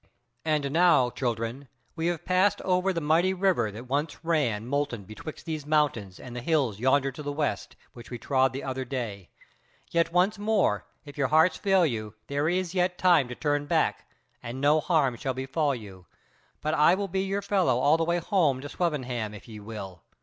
And now, children, we have passed over the mighty river that once ran molten betwixt these mountains and the hills yonder to the west, which we trod the other day; yet once more, if your hearts fail you, there is yet time to turn back; and no harm shall befall you, but I will be your fellow all the way home to Swevenham if ye will.